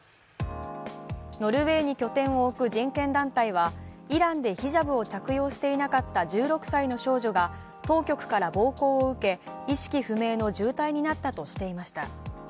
ノルウェーに拠点を置く人権団体は、イランでヒジャブを着用していなかった１６歳の少女が当局から暴行を受け意識不明の重体になったとしていました。